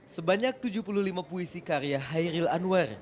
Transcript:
sebanyak tujuh puluh lima puisi karya hairil anwar